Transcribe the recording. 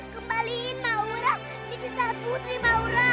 kembaliin naura di kisah putri maura